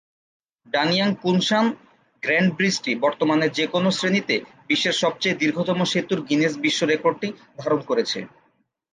Danyang-Kunshan grand ব্রিজটি বর্তমানে যেকোনও শ্রেণীতে বিশ্বের সবচেয়ে দীর্ঘতম সেতুর গিনেস বিশ্ব রেকর্ডটি ধারণ করছে।